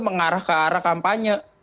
mengarah ke arah kampanye